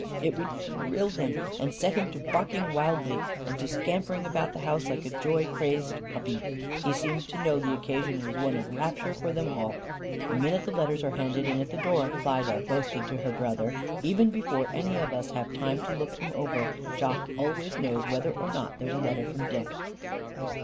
It would thrill him and set him to barking wildly and to scampering about the house like a joy crazed puppy. He seemed to know the occasion was one of rapture for them all. "The minute the letters are handed in at the door," Klyda boasted to her brother, "even before any of us have time to look them over, Jock always knows whether or not there's a letter from Dick."